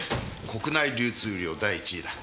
国内流通量第１位だ。